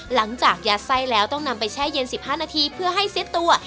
หลังจากยัดไส้แล้วต้องนำไปแช่เย็น๑๕นาทีเพื่อให้เซ็ตตัว